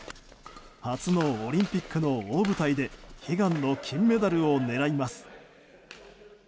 初のオリンピックの大舞台で悲願の金メダルを狙います。